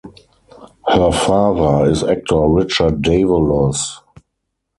Her father is actor Richard Davalos.